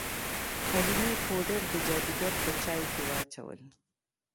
حلیمې پوډر د جادوګر په چای کې واچول.